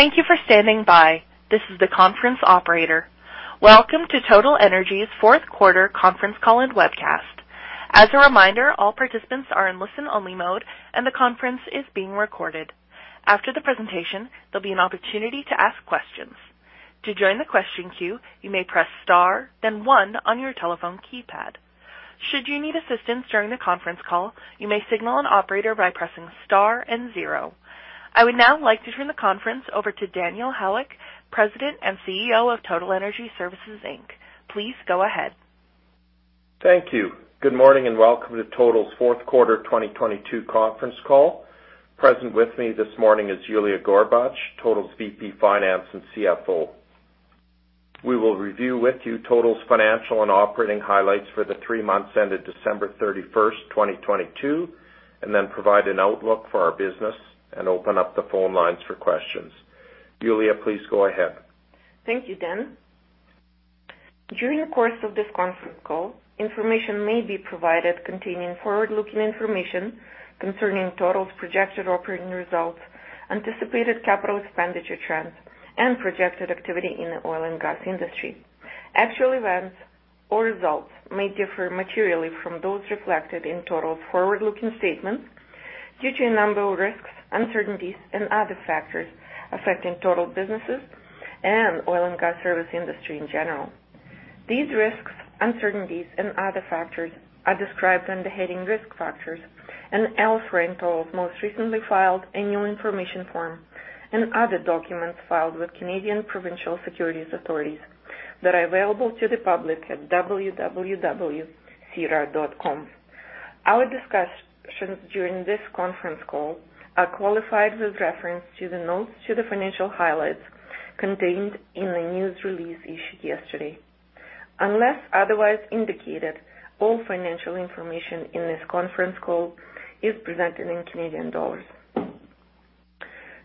Thank you for standing by. This is the conference operator. Welcome to Total Energy's Fourth Quarter Conference Call and Webcast. As a reminder, all participants are in listen only mode and the conference is being recorded. After the presentation, there'll be an opportunity to ask questions. To join the question queue, you may press star then one on your telephone keypad. Should you need assistance during the conference call, you may signal an operator by pressing star and zero. I would now like to turn the conference over to Daniel Halyk, President and CEO of Total Energy Services, Inc. Please go ahead. Thank you. Good morning and welcome to Total's Fourth Quarter 2022 Conference Call. Present with me this morning is Yulia Gorbach, Total's VP Finance and CFO. We will review with you Total's financial and operating highlights for the three months ended December 31st, 2022, and then provide an outlook for our business and open up the phone lines for questions. Yulia, please go ahead. Thank you, Dan. During the course of this conference call, information may be provided containing forward-looking information concerning Total's projected operating results, anticipated capital expenditure trends, and projected activity in the oil and gas industry. Actual events or results may differ materially from those reflected in Total's forward-looking statements due to a number of risks, uncertainties and other factors affecting Total's businesses and oil and gas service industry in general. These risks, uncertainties and other factors are described under heading Risk Factors and elsewhere in Total's most recently filed annual information form and other documents filed with Canadian provincial securities authorities that are available to the public at www.sedar.com. Our discussions during this conference call are qualified with reference to the notes to the financial highlights contained in the news release issued yesterday. Unless otherwise indicated, all financial information in this conference call is presented in Canadian dollars.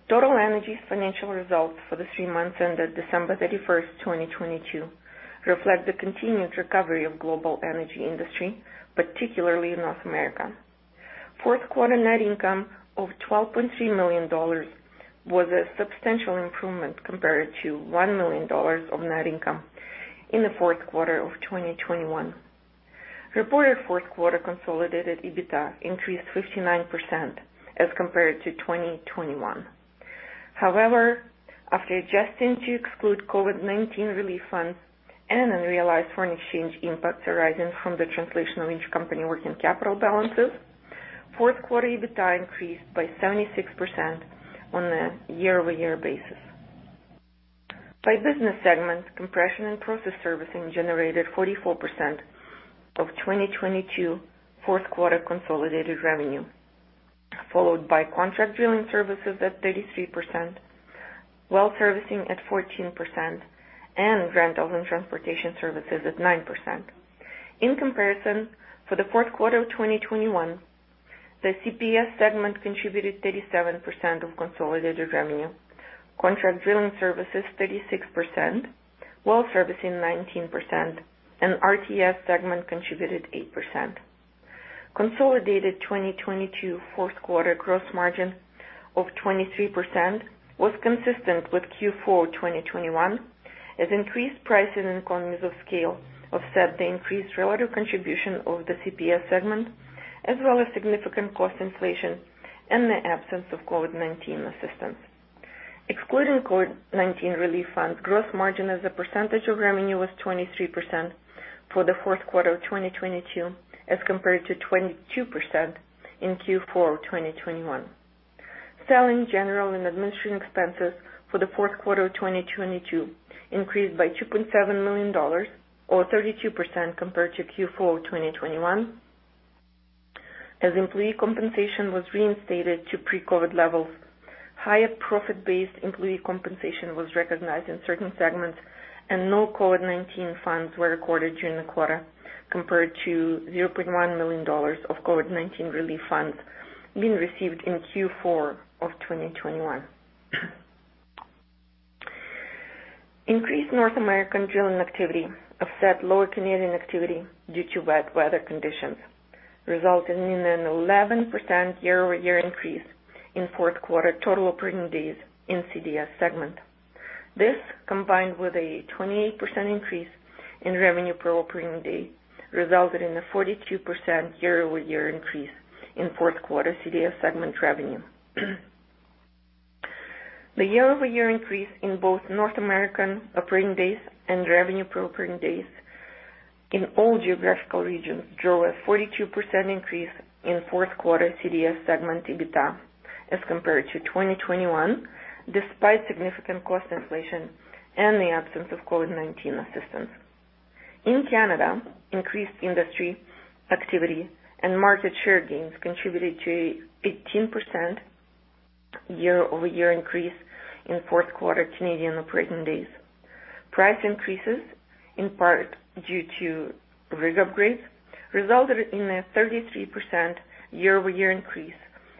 Total Energy's financial results for the three months ended December 31, 2022 reflect the continued recovery of global energy industry, particularly in North America. Fourth quarter net income of 12.3 million dollars was a substantial improvement compared to 1 million dollars of net income in the fourth quarter of 2021. Reported fourth quarter consolidated EBITDA increased 59% as compared to 2021. After adjusting to exclude COVID-19 relief funds and unrealized foreign exchange impacts arising from the translation of each company working capital balances, fourth quarter EBITDA increased by 76% on a year-over-year basis. By business segment, Compression and Process Servicing generated 44% of 2022 fourth quarter consolidated revenue, followed by Contract Drilling Services at 33%, Well Servicing at 14%, and Rental and Transportation Services at 9%. In comparison, for the fourth quarter of 2021, the CPS segment contributed 37% of consolidated revenue, Contract Drilling Services 36%, Well Servicing 19%, and RTS segment contributed 8%. Consolidated 2022 fourth quarter gross margin of 23% was consistent with Q4 2021 as increased prices and economies of scale offset the increased relative contribution of the CPS segment, as well as significant cost inflation and the absence of COVID-19 assistance. Excluding COVID-19 relief funds, gross margin as a percentage of revenue was 23% for the fourth quarter of 2022 as compared to 22% in Q4 of 2021. Selling, General, and Administrative expenses for the fourth quarter of 2022 increased by 2.7 million dollars or 32% compared to Q4 of 2021 as employee compensation was reinstated to pre-COVID levels. Higher profit-based employee compensation was recognized in certain segments and no COVID-19 funds were recorded during the quarter compared to 100,000 dollars of COVID-19 relief funds being received in Q4 of 2021. Increased North American drilling activity offset lower Canadian activity due to bad weather conditions, resulting in an 11% year-over-year increase in fourth quarter total operating days in CDS segment. This, combined with a 28% increase in revenue per operating day, resulted in a 42% year-over-year increase in fourth quarter CDS segment revenue. The year-over-year increase in both North American operating days and revenue per operating days in all geographical regions drove a 42% increase in fourth quarter CDS segment EBITDA as compared to 2021, despite significant cost inflation and the absence of COVID-19 assistance. In Canada, increased industry activity and market share gains contributed to 18% year-over-year increase in fourth quarter Canadian operating days. Price increases, in part due to rig upgrades, resulted in a 33% year-over-year increase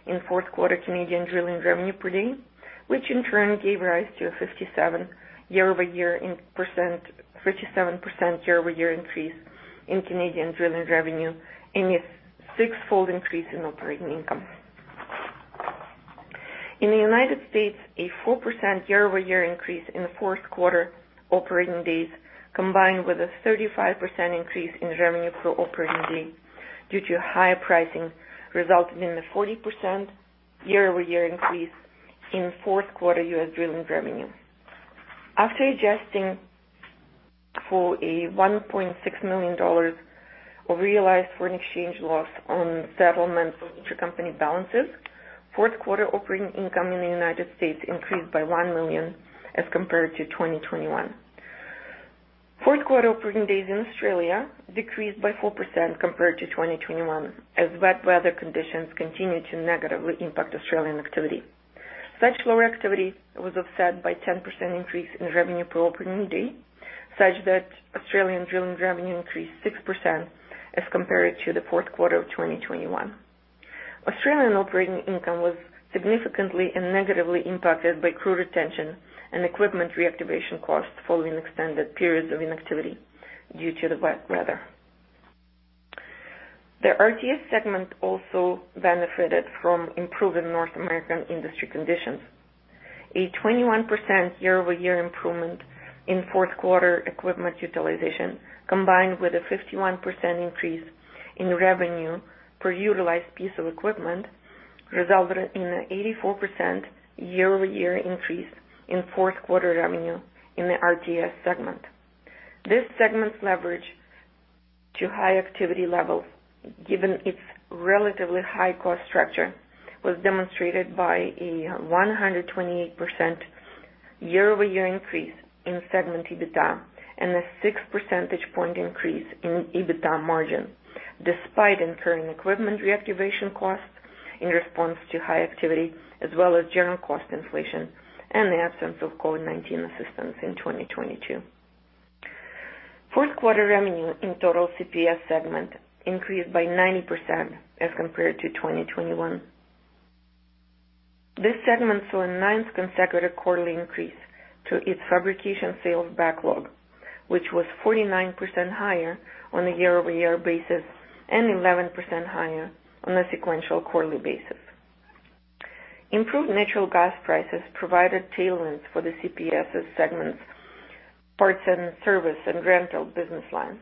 in fourth quarter Canadian drilling revenue per day, which in turn gave rise to a 57% year-over-year increase in Canadian drilling revenue, sixfold increase in operating income. In the United States, a 4% year-over-year increase in the fourth quarter operating days, combined with a 35% increase in revenue per operating day due to higher pricing, resulting in a 40% year-over-year increase in fourth quarter U.S. drilling revenue. After adjusting for a 1.6 million dollars realized foreign exchange loss on settlements of intercompany balances, fourth quarter operating income in the United States increased by 1 million as compared to 2021. Fourth quarter operating days in Australia decreased by 4% compared to 2021 as wet weather conditions continue to negatively impact Australian activity. Such lower activity was offset by 10 increase in revenue per operating day, such that Australian drilling revenue increased 6% as compared to the fourth quarter of 2021. Australian operating income was significantly and negatively impacted by crew retention and equipment reactivation costs following extended periods of inactivity due to the wet weather. The RTS segment also benefited from improving North American industry conditions. A 21% year-over-year improvement in fourth quarter equipment utilization, combined with a 51% increase in revenue per utilized piece of equipment, resulted in an 84% year-over-year increase in fourth quarter revenue in the RTS segment. This segment's leverage to high activity levels, given its relatively high cost structure, was demonstrated by a 128% year-over-year increase in segment EBITDA and a six percentage point increase in EBITDA margin, despite incurring equipment reactivation costs in response to high activity as well as general cost inflation and the absence of COVID-19 assistance in 2022. Fourth quarter revenue in total CPS segment increased by 90% as compared to 2021. This segment saw a ninth consecutive quarterly increase to its fabrication sales backlog, which was 49% higher on a year-over-year basis and 11% higher on a sequential quarterly basis. Improved natural gas prices provided tailwinds for the CPS's segments. Parts and service and rental business lines,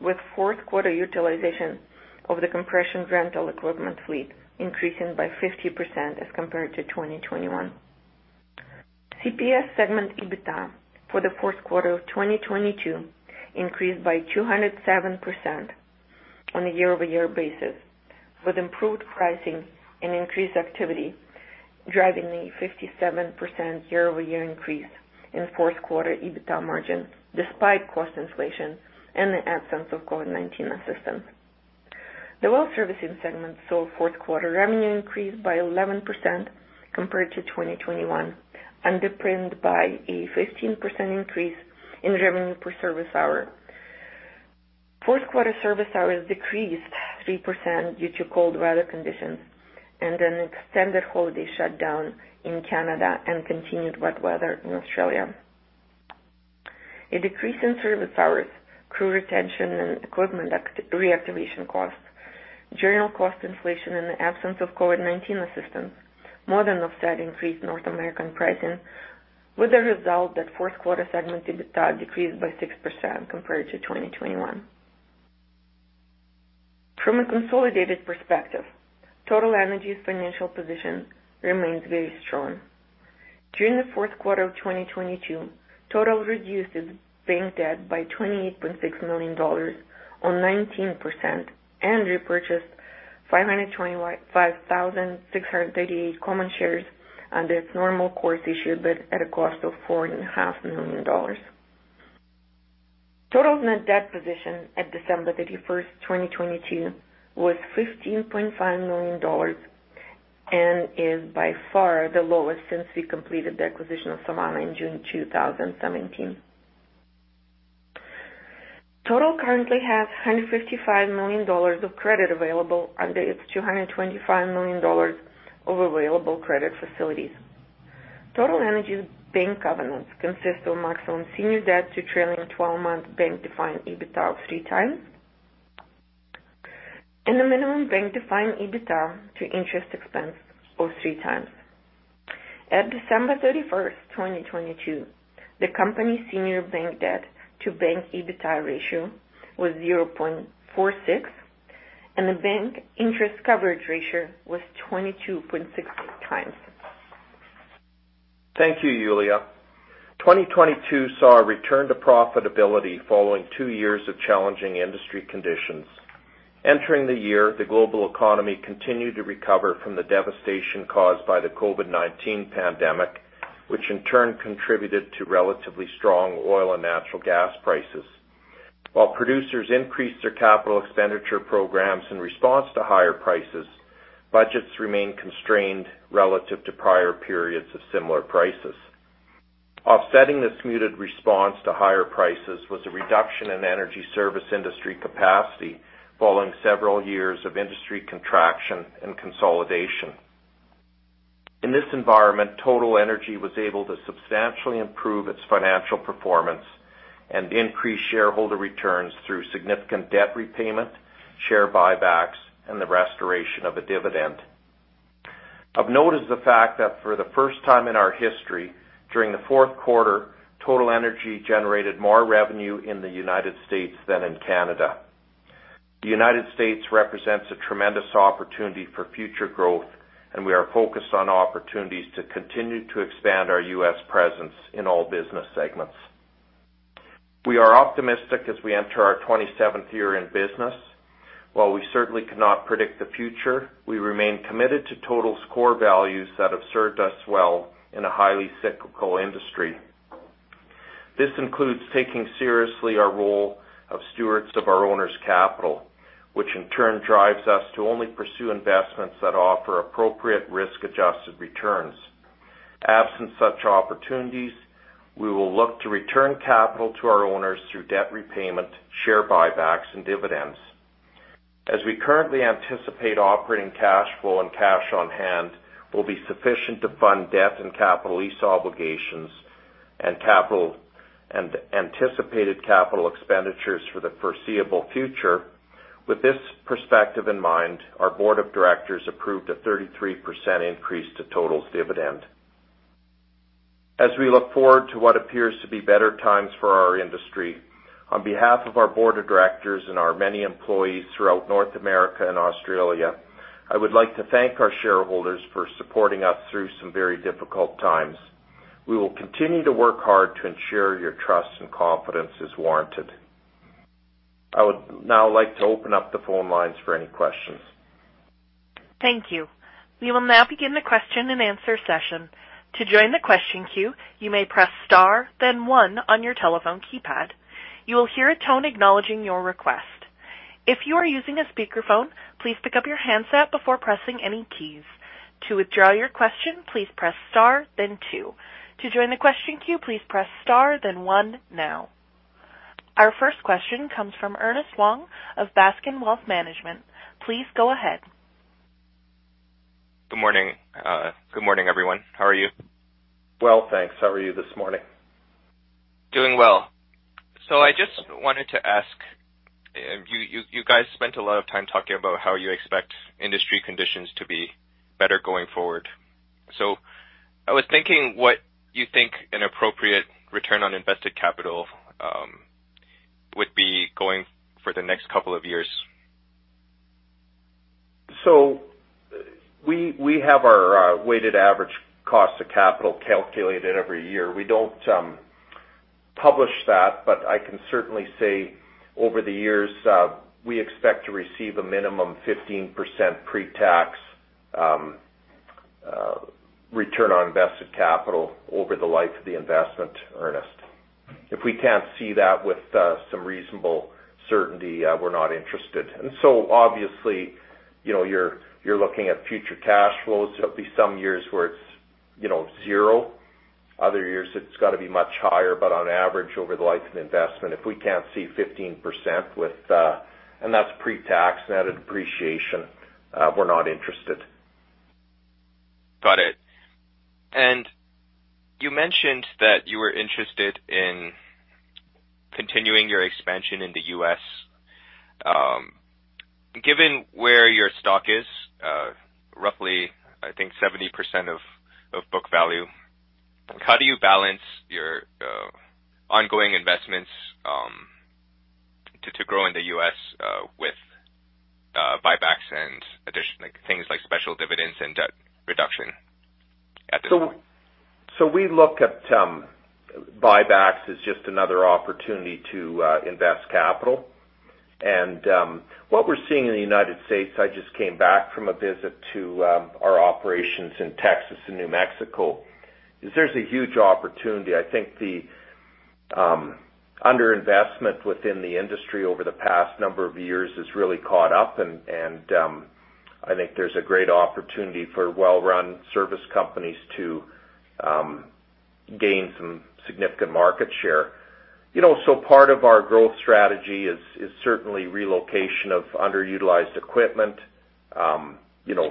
with fourth quarter utilization of the compression rental equipment fleet increasing by 50% as compared to 2021. CPS segment EBITDA for the fourth quarter of 2022 increased by 207% on a year-over-year basis, with improved pricing and increased activity driving a 57% year-over-year increase in fourth quarter EBITDA margin, despite cost inflation and the absence of COVID-19 assistance. The Well Servicing segment saw fourth quarter revenue increase by 11% compared to 2021, underpinned by a 15% increase in revenue per service hour. Fourth quarter service hours decreased 3% due to cold weather conditions and an extended holiday shutdown in Canada and continued wet weather in Australia. A decrease in service hours, crew retention and equipment reactivation costs, general cost inflation in the absence of COVID-19 assistance more than offset increased North American pricing, with the result that fourth quarter segment EBITDA decreased by 6% compared to 2021. From a consolidated perspective, Total Energy's financial position remains very strong. During the fourth quarter of 2022, Total reduced its bank debt by 28.6 million dollars on 19% and repurchased 525,638 common shares on this normal course issue, but at a cost of 4.5 Million dollars. Total net debt position at December 31st, 2022 was 15.5 million dollars and is by far the lowest since we completed the acquisition of Savanna in June 2017. Total currently has 155 million dollars of credit available under its 225 million dollars of available credit facilities. Total Energy's bank covenants consist of maximum senior debt to trailing 12-month bank-defined EBITDA of 3x and a minimum bank-defined EBITDA to interest expense of 3x. At December 31st, 2022, the company's senior bank debt to bank EBITDA ratio was 0.46, and the bank interest coverage ratio was 22.66x. Thank you, Yulia. 2022 saw a return to profitability following two years of challenging industry conditions. Entering the year, the global economy continued to recover from the devastation caused by the COVID-19 pandemic, which in turn contributed to relatively strong oil and natural gas prices. While producers increased their capital expenditure programs in response to higher prices, budgets remained constrained relative to prior periods of similar prices. Offsetting this muted response to higher prices was a reduction in energy service industry capacity following several years of industry contraction and consolidation. In this environment. Total Energy was able to substantially improve its financial performance and increase shareholder returns through significant debt repayment, share buybacks, and the restoration of a dividend. Of note is the fact that for the first time in our history, during the fourth quarter, Total Energy generated more revenue in the United States than in Canada. The United States represents a tremendous opportunity for future growth, and we are focused on opportunities to continue to expand our U.S. presence in all business segments. We are optimistic as we enter our 27th year in business. While we certainly cannot predict the future, we remain committed to Total Energy's core values that have served us well in a highly cyclical industry. This includes taking seriously our role of stewards of our owners' capital, which in turn drives us to only pursue investments that offer appropriate risk-adjusted returns. Absent such opportunities, we will look to return capital to our owners through debt repayment, share buybacks and dividends. We currently anticipate operating cash flow and cash on hand will be sufficient to fund debt and capital lease obligations and anticipated capital expenditures for the foreseeable future. With this perspective in mind, our Board of Directors approved a 33% increase to Total's dividend. We look forward to what appears to be better times for our industry, on behalf of our Board of Directors and our many employees throughout North America and Australia, I would like to thank our shareholders for supporting us through some very difficult times. We will continue to work hard to ensure your trust and confidence is warranted. I would now like to open up the phone lines for any questions. Thank you. We will now begin the question-and-answer session. To join the question queue, you may press star, then one on your telephone keypad. You will hear a tone acknowledging your request. If you are using a speakerphone, please pick up your handset before pressing any keys. To withdraw your question, please press star then two. To join the question queue, please press star then one now. Our first question comes from Ernest Long of Baskin Wealth Management. Please go ahead. Good morning. Good morning, everyone. How are you? Well, thanks. How are you this morning? Doing well. I just wanted to ask, you guys spent a lot of time talking about how you expect industry conditions to be better going forward. I was thinking what you think an appropriate return on invested capital would be going for the next couple of years? We have our weighted average cost of capital calculated every year. We don't publish that, but I can certainly say over the years, we expect to receive a minimum 15% pretax return on invested capital over the life of the investment, Ernest. If we can't see that with some reasonable certainty, we're not interested. Obviously, you know, you're looking at future cash flows. There'll be some years where it's, you know, zero. Other years, it's got to be much higher. On average, over the life of investment, if we can't see 15%, and that's pretax net appreciation, we're not interested. Got it. You mentioned that you were interested in continuing your expansion in the U.S. Given where your stock is, roughly, I think 70% of book value, how do you balance your ongoing investments to grow in the U.S. with buybacks and like things like special dividends and debt reduction at this point? We look at buybacks as just another opportunity to invest capital. What we're seeing in the United States—I just came back from a visit to our operations in Texas and New Mexico—is there's a huge opportunity. I think the underinvestment within the industry over the past number of years has really caught up, and I think there's a great opportunity for well-run service companies to gain some significant market share. You know, part of our growth strategy is certainly relocation of underutilized equipment, you know,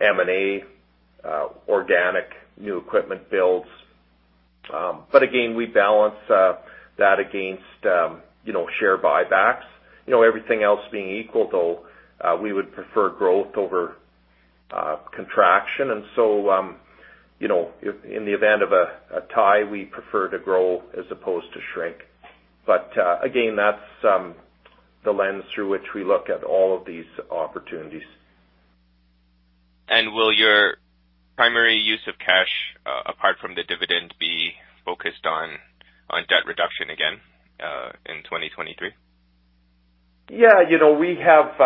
M&A, organic new equipment builds. But again, we balance that against, you know, share buybacks. You know, everything else being equal, though, we would prefer growth over contraction. You know, in the event of a tie, we prefer to grow as opposed to shrink. Again, that's the lens through which we look at all of these opportunities. Will your primary use of cash, apart from the dividend, be focused on debt reduction again, in 2023? You know, we have,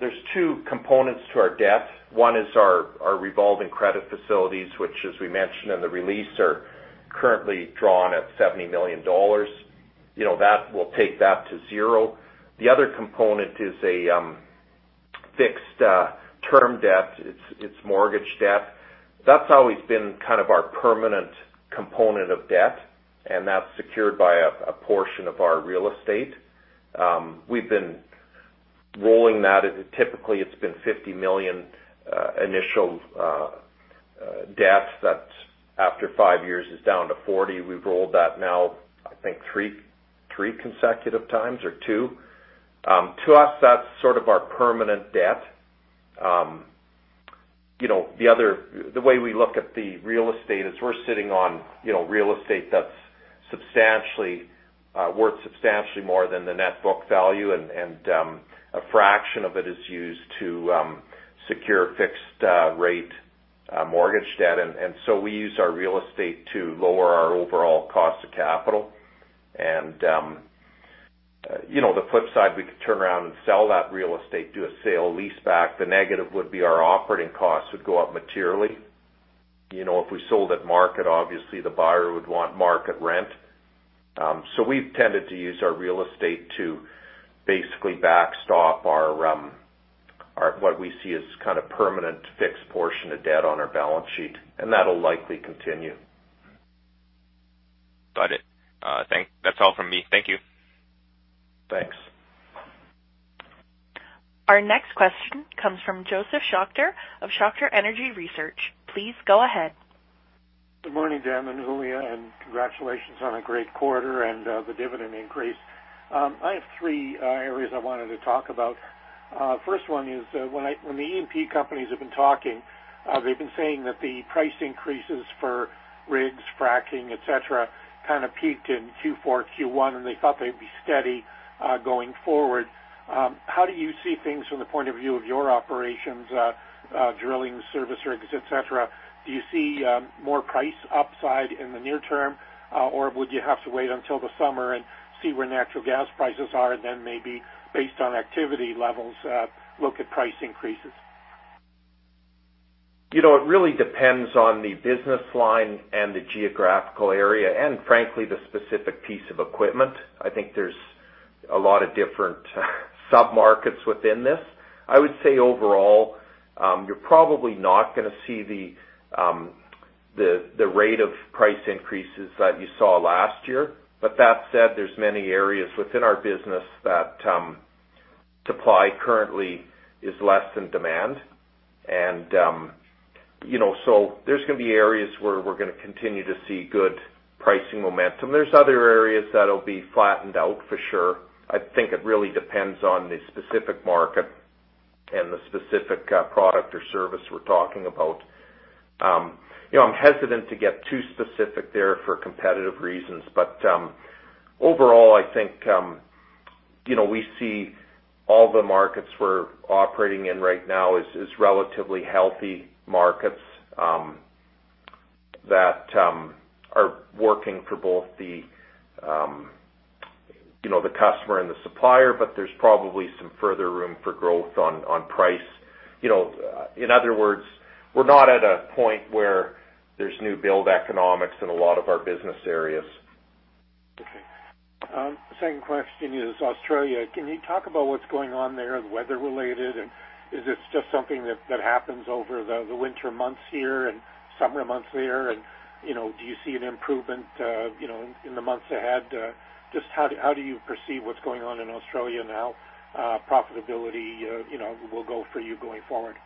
there's two components to our debt. One is our revolving credit facilities, which, as we mentioned in the release, are currently drawn at $70 million. You know, we'll take that to zero. The other component is a fixed term debt. It's mortgage debt. That's always been kind of our permanent component of debt. That's secured by a portion of our real estate. We've been rolling that. It's been $50 million initial debt that after five years is down to $40 million. We've rolled that now, I think three consecutive times or two. To us, that's sort of our permanent debt. You know, the way we look at the real estate is we're sitting on, you know, real estate that's substantially—worth substantially more than the net book value. A fraction of it is used to secure fixed rate mortgage debt. We use our real estate to lower our overall cost of capital. You know, the flip side, we could turn around and sell that real estate, do a sale leaseback. The negative would be our operating costs would go up materially. You know, if we sold at market, obviously the buyer would want market rent. We've tended to use our real estate to basically backstop our, what we see as kind of permanent fixed portion of debt on our balance sheet, and that'll likely continue. Got it. That's all from me. Thank you. Thanks. Our next question comes from Josef Schachter of Schachter Energy Research. Please go ahead. Good morning, Dan and Yulia, and congratulations on a great quarter and the dividend increase. I have three areas I wanted to talk about. First one is, when the E&P companies have been talking, they've been saying that the price increases for rigs, fracking, et cetera, kind of peaked in Q4, Q1, and they thought they'd be steady going forward. How do you see things from the point of view of your operations, drilling service rigs, et cetera? Do you see more price upside in the near term, or would you have to wait until the summer and see where natural gas prices are then maybe based on activity levels, look at price increases? You know, it really depends on the business line and the geographical area, and frankly, the specific piece of equipment. I think there's a lot of different submarkets within this. I would say overall, you're probably not gonna see the rate of price increases that you saw last year. That said, there's many areas within our business that, supply currently is less than demand. You know, so there's gonna be areas where we're gonna continue to see good pricing momentum. There's other areas that'll be flattened out for sure. I think, it really depends on the specific market and the specific product or service we're talking about. You know, I'm hesitant to get too specific there for competitive reasons, but overall, I think, you know, we see all the markets we're operating in right now is relatively healthy markets that are working for both the customer and the supplier, but there's probably some further room for growth on price. You know, in other words, we're not at a point where there's new build economics in a lot of our business areas. Okay. Second question is Australia. Can you talk about what's going on there, weather related? Is this just something that happens over the winter months here and summer months there? You know, do you see an improvement in the months ahead? Just how do you perceive what's going on in Australia now, profitability, you know, will go for you going forward?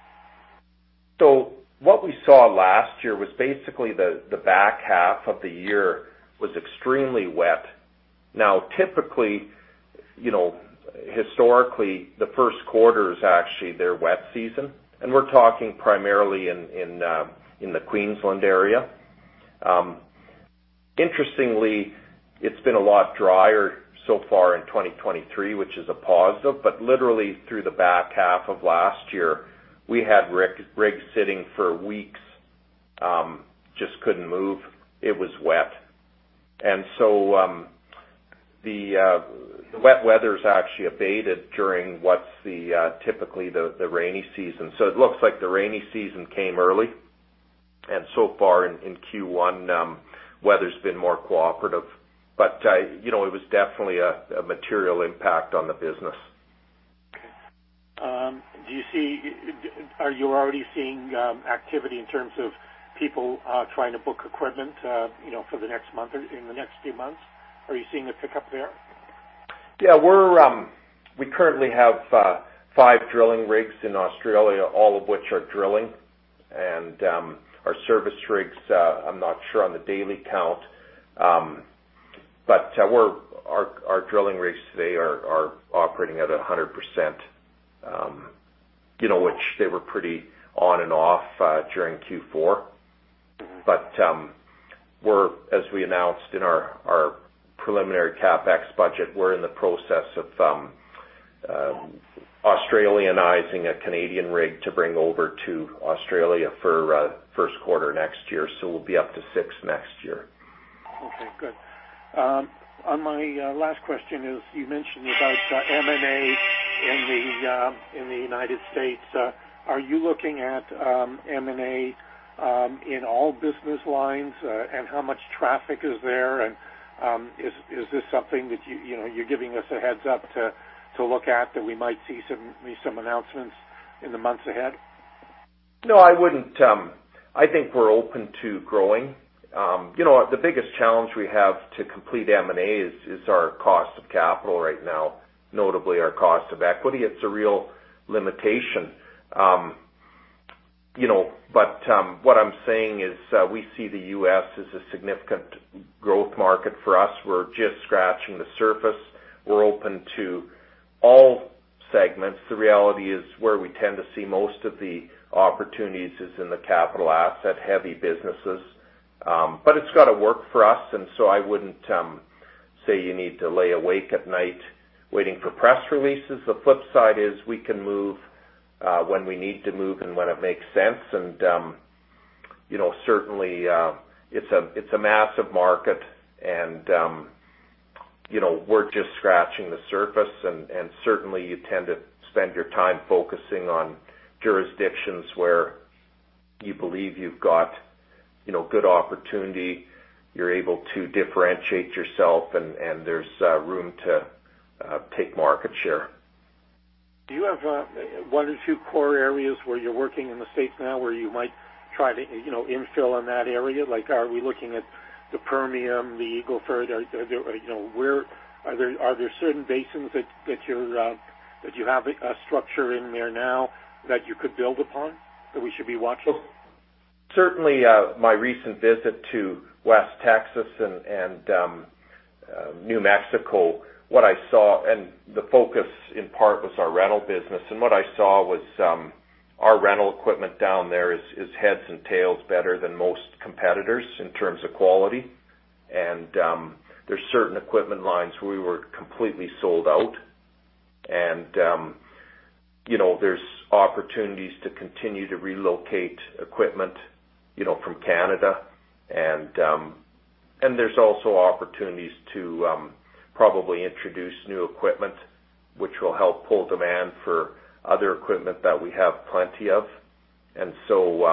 What we saw last year was basically the back half of the year was extremely wet. Typically, you know, historically, the first quarter is actually their wet season, and we're talking primarily in the Queensland area. Interestingly, it's been a lot drier so far in 2023, which is a positive. Literally through the back half of last year, we had rigs sitting for weeks, just couldn't move. It was wet. The wet weather's actually abated during what's typically the rainy season. It looks like the rainy season came early. So far in Q1, weather's been more cooperative. You know, it was definitely a material impact on the business. Okay. Are you already seeing activity in terms of people trying to book equipment, you know, for the next month or in the next few months? Are you seeing a pickup there? Yeah. We currently have five drilling rigs in Australia, all of which are drilling. Our service rigs, I'm not sure on the daily count. But our drilling rigs today are operating at 100%, you know, which they were pretty on and off during Q4. As we announced in our preliminary CapEx budget, we're in the process of Australianizing a Canadian rig to bring over to Australia for first quarter next year. We'll be up to six next year. Okay, good. On my last question, you mentioned about M&A in the United States. Are you looking at M&A in all business lines? How much traffic is there? Is this something that you know, you're giving us a heads up to look at that we might see some announcements in the months ahead? No, I wouldn't. I think we're open to growing. You know, the biggest challenge we have to complete M&A is our cost of capital right now, notably our cost of equity. It's a real limitation. You know, but what I'm saying is, we see the U.S. as a significant growth market for us. We're just scratching the surface. We're open to all segments. The reality is where we tend to see most of the opportunities is in the capital asset heavy businesses, but it's gotta work for us. I wouldn't say you need to lay awake at night waiting for press releases. The flip side is we can move when we need to move and when it makes sense. You know, certainly, it's a massive market and, you know, we're just scratching the surface and certainly you tend to spend your time focusing on jurisdictions where you believe you've got, you know, good opportunity, you're able to differentiate yourself and there's room to take market share. Do you have, one or two core areas where you're working in the States now where you might try to, you know, infill on that area? Like, are we looking at the Permian, the Eagle Ford? Are, you know, where. Are there certain basins that you're, that you have a structure in there now that you could build upon that we should be watching? Certainly, my recent visit to West Texas and New Mexico, what I saw—and the focus in part was our rental business. What I saw was, our rental equipment down there is heads and tails better than most competitors in terms of quality. There's certain equipment lines we were completely sold out. You know, there's opportunities to continue to relocate equipment, you know, from Canada. And there's also opportunities to probably introduce new equipment, which will help pull demand for other equipment that we have plenty of. So,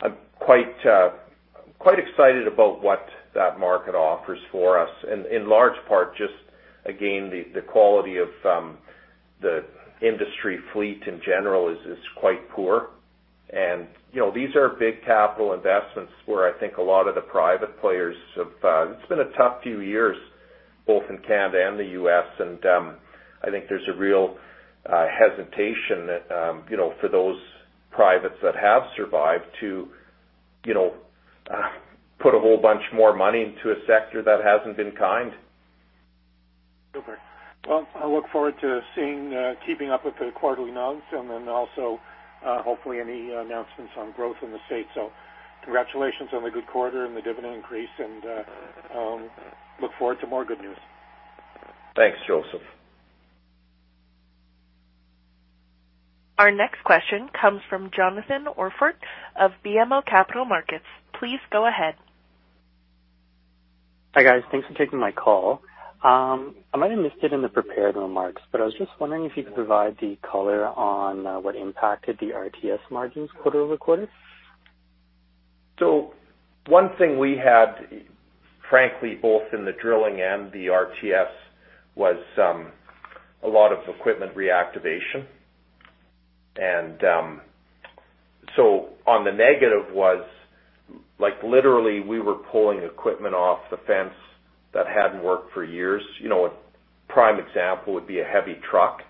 I'm quite excited about what that market offers for us. In large part, just again, the quality of the industry fleet in general is quite poor. You know, these are big capital investments where I think a lot of the private players have. It's been a tough few years both in Canada and the U.S., and I think there's a real hesitation, you know, for those privates that have survived to, you know, put a whole bunch more money into a sector that hasn't been kind. Super. I look forward to seeing—keeping up with the quarterly notes and then also, hopefully any announcements on growth in the States. Congratulations on the good quarter and the dividend increase and look forward to more good news. Thanks, Joseph. Our next question comes from Jonathan Orford of BMO Capital Markets. Please go ahead. Hi, guys. Thanks for taking my call. I might have missed it in the prepared remarks, but I was just wondering if you could provide the color on what impacted the RTS margins quarter-over-quarter? One thing we had, frankly, both in the drilling and the RTS was a lot of equipment reactivation. On the negative was like literally we were pulling equipment off the fence that hadn't worked for years. You know, a prime example would be a heavy truck.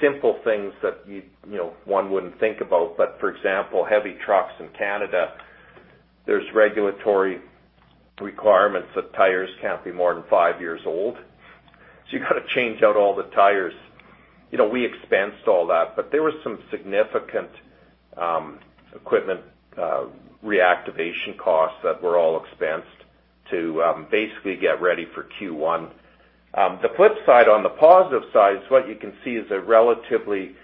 Simple things that you'd, you know, one wouldn't think about, but for example, heavy trucks in Canada, there's regulatory requirements that tires can't be more than five years old. You gotta change out all the tires. You know, we expensed all that. There was some significant equipment reactivation costs that were all expensed to basically get ready for Q1. The flip side, on the positive side is what you can see is a relatively,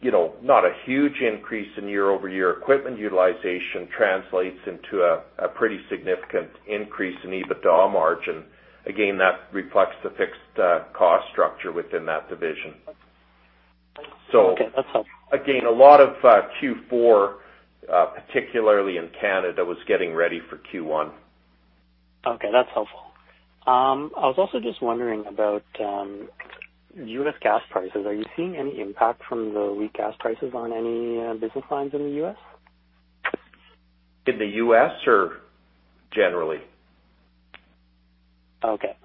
you know, not a huge increase in year-over-year equipment utilization translates into a pretty significant increase in EBITDA margin. Again, that reflects the fixed cost structure within that division. Okay. That's helpful. A lot of Q4, particularly in Canada, was getting ready for Q1. That's helpful. I was also just wondering about U.S. gas prices. Are you seeing any impact from the weak gas prices on any business lines in the U.S.? In the U.S. or generally? Okay.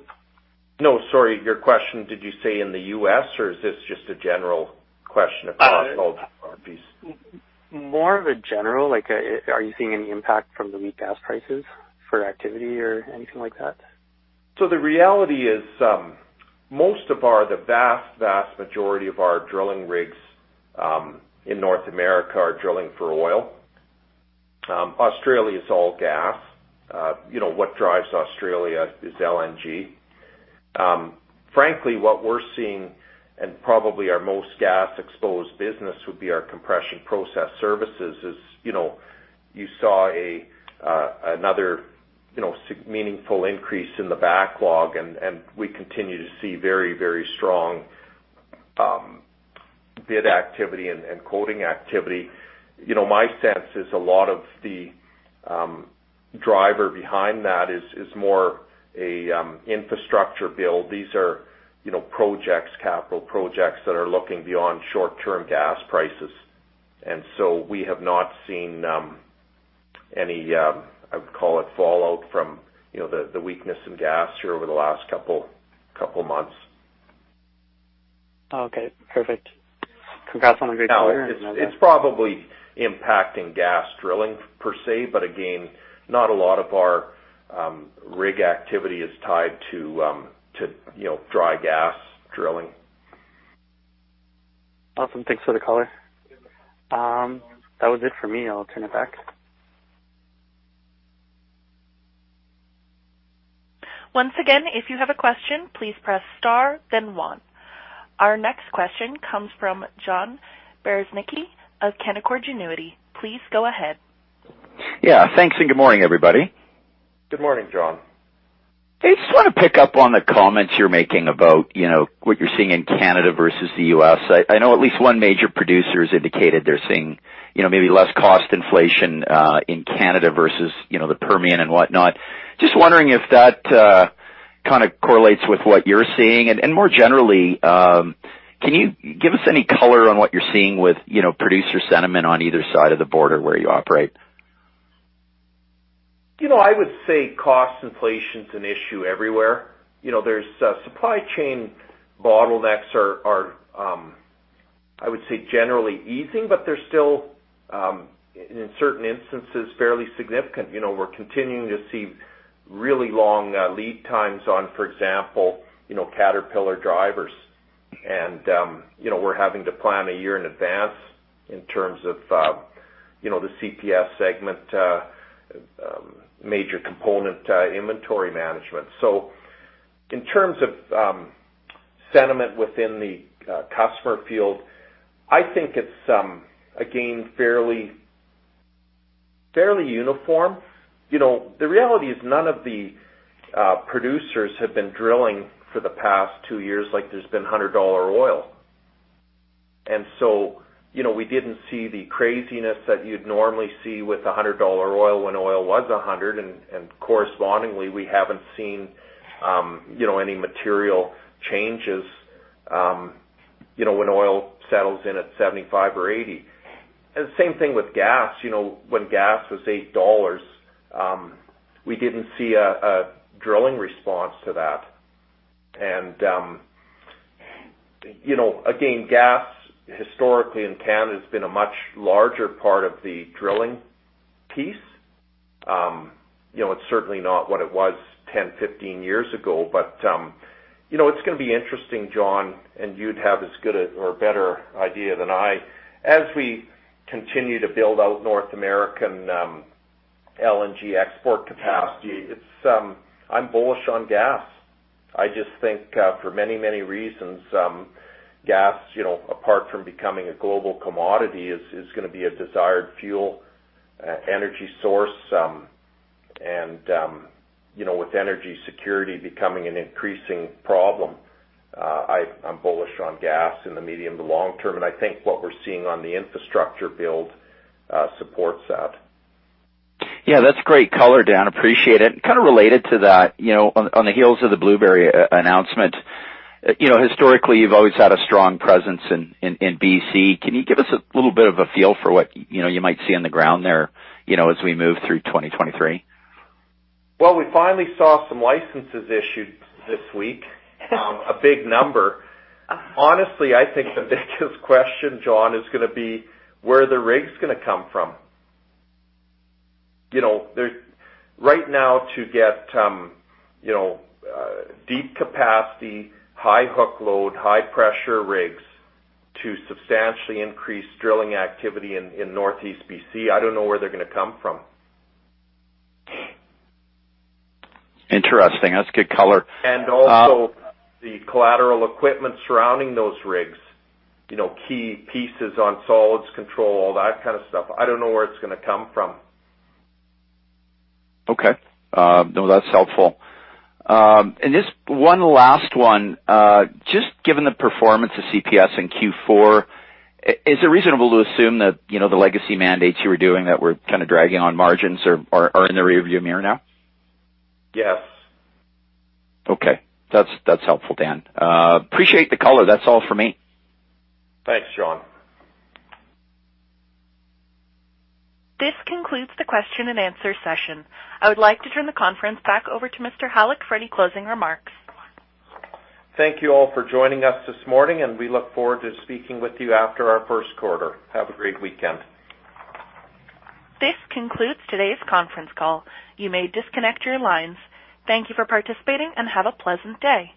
No, sorry, your question, did you say in the U.S. or is this just a general question across all our pieces? More of a general, like, are you seeing any impact from the weak gas prices for activity or anything like that? The reality is, most of our—the vast majority of our drilling rigs, in North America are drilling for oil. Australia is all gas. You know, what drives Australia is LNG. Frankly, what we're seeing, and probably our most gas exposed business would be our Compression Process Services, is you know, you saw another, you know, meaningful increase in the backlog, and we continue to see very, very strong bid activity and quoting activity. You know, my sense is a lot of the driver behind that is more a infrastructure build. These are, you know, projects, capital projects that are looking beyond short-term gas prices. We have not seen any I would call it fallout from, you know, the weakness in gas here over the last couple months. Okay, perfect. Congrats on a great quarter. It's probably impacting gas drilling per se, but again, not a lot of our rig activity is tied to, you know, dry gas drilling. Awesome. Thanks for the color. That was it for me. I'll turn it back. Once again, if you have a question, please press star then one. Our next question comes from John Bereznicki of Canaccord Genuity. Please go ahead. Yeah, thanks and good morning, everybody. Good morning, John. I just wanna pick up on the comments you're making about, you know, what you're seeing in Canada versus the U.S. I know at least one major producer's indicated they're seeing, you know, maybe less cost inflation in Canada versus, you know, the Permian and whatnot. Just wondering if that kind of correlates with what you're seeing. More generally, can you give us any color on what you're seeing with, you know, producer sentiment on either side of the border where you operate? You know, I would say cost inflation's an issue everywhere. You know, there's supply chain bottlenecks are, I would say, generally easing, but they're still in certain instances fairly significant. You know, we're continuing to see really long lead times on, for example, you know, Caterpillar drivers. You know, we're having to plan a year in advance in terms of, you know, the CPS segment major component inventory management. In terms of sentiment within the customer field, I think, it's again, fairly uniform. You know, the reality is none of the producers have been drilling for the past two years like there's been $100-dollar oil. You know, we didn't see the craziness that you'd normally see with a $100-dollar oil when oil was $100. Correspondingly, we haven't seen, you know, any material changes, you know, when oil settles in at $75 or $80. Same thing with gas. You know, when gas was $8, we didn't see a drilling response to that. You know, again, gas historically in Canada has been a much larger part of the drilling piece. You know, it's certainly not what it was 10, 15 years ago, but, you know, it's gonna be interesting, John, and you'd have as good a or better idea than I. As we continue to build out North American LNG export capacity, it's—I'm bullish on gas. I just think, for many, many reasons, gas, you know, apart from becoming a global commodity is gonna be a desired fuel, energy source. You know, with energy security becoming an increasing problem, I'm bullish on gas in the medium to long term, and I think what we're seeing on the infrastructure build, supports that. Yeah, that's great color, Dan. Appreciate it. Kind of related to that, you know, on the heels of the Blueberry announcement, you know, historically you've always had a strong presence in BC. Can you give us a little bit of a feel for what, you know, you might see on the ground there, you know, as we move through 2023? Well, we finally saw some licenses issued this week, a big number. Honestly, I think the biggest question, John, is gonna be where the rig's gonna come from. You know, Right now to get, you know, deep capacity, high hook load, high pressure rigs to substantially increase drilling activity in Northeast BC, I don't know where they're gonna come from. Interesting. That's good color. Also the collateral equipment surrounding those rigs, you know, key pieces on solids control, all that kind of stuff, I don't know where it's gonna come from. Okay. no, that's helpful. Just one last one. Just given the performance of CPS in Q4, is it reasonable to assume that, you know, the legacy mandates you were doing that were kind of dragging on margins are in the rearview mirror now? Yes. Okay. That's, that's helpful, Dan. appreciate the color. That's all for me. Thanks, John. This concludes the question and answer session. I would like to turn the conference back over to Mr. Halyk for any closing remarks. Thank you all for joining us this morning, and we look forward to speaking with you after our first quarter. Have a great weekend. This concludes today's conference call. You may disconnect your lines. Thank you for participating, and have a pleasant day.